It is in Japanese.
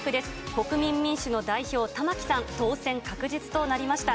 国民民主の代表、玉木さん、当選確実となりました。